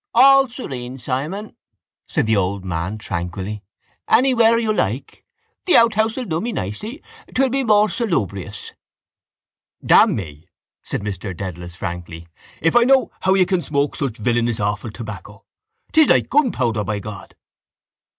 All serene, Simon, said the old man tranquilly. Anywhere you like. The outhouse will do me nicely: it will be more salubrious. —Damn me, said Mr Dedalus frankly, if I know how you can smoke such villainous awful tobacco. It's like gunpowder, by God.